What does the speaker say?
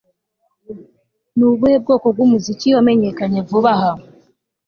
Ni ubuhe bwoko bwumuziki wamenyekanye vuba aha